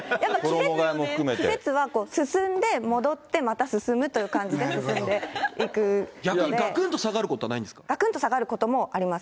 でも季節は進んで、戻って、また進むという感じで、逆にがくんと下がることはながくんと下がることもあります。